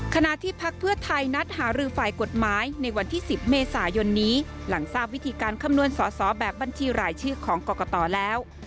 ขณะที่พักเพื่อไทยนัดหารือฝ่ายกฎหมายในวันที่๑๐เมษายนนี้หลังทราบวิธีการคำนวณสอสอแบบบัญชีรายชื่อของกรกตแล้ว